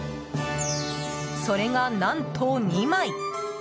それが、何と２枚。